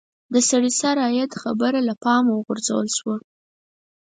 د سړي سر عاید خبره له پامه وغورځول شوه.